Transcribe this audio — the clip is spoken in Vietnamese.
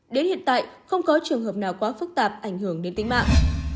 đến hiện tại không có trường hợp nào quá phức tạp ảnh hưởng đến tính mạng